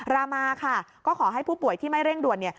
รามาค่ะก็ขอให้ผู้ป่วยที่ไม่เร่งด่วนเนี่ย